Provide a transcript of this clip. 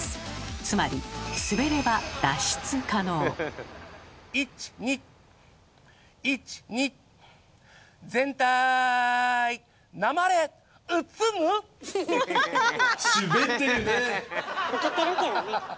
つまりウケてるけどね。